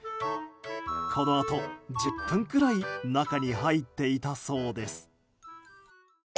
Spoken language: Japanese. このあと、１０分くらい中に入っていたそうです。